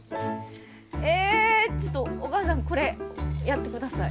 ちょっとお母さんこれやってください。